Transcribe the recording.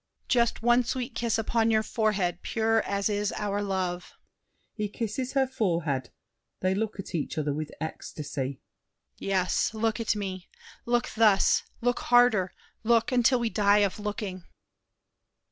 Just one sweet kiss upon your forehead, pure As is our love! [He kisses her forehead. They look at each other with ecstasy. Yes, look at me! Look thus, Look harder; look until we die of looking!